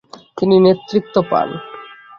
তিনি নেতৃত্ব পান।